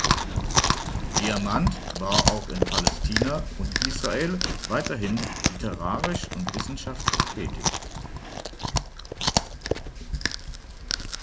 Diamant war auch in Palästina und Israel weiterhin literarisch und wissenschaftlich tätig.